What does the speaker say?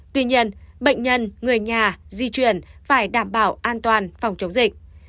tuy nhiên bệnh nhân người nhà di chuyển phải đảm bảo an toàn phòng chống dịch